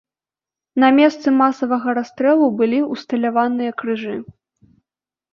На месцы масавага расстрэлу былі ўсталяваныя крыжы.